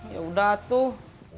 ya udah tuh